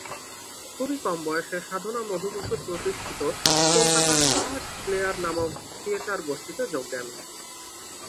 খুবই কম বয়সে সাধনা মধু বসুর প্রতিষ্ঠিত কলকাতা আর্ট প্লেয়ার নামক থিয়েটার-গোষ্ঠীতে যোগ দেন।